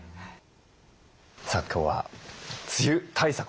さあ今日は梅雨対策をですね